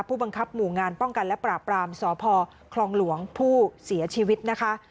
ผู้บังคับหมู่งานป้องกันและปราบรามสพคลองหลวงผู้เสียชีวิตนะคะ